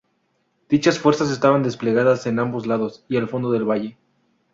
Dichas fuerzas estaban desplegadas en ambos lados y al fondo del valle.